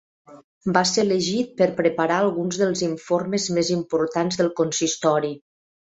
Va ser elegit per preparar alguns dels informes més importants del consistori.